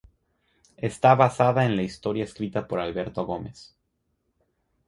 Está basada en la historia escrita por Alberto Gómez.